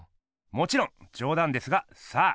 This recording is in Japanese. もちろんじょうだんですがさあ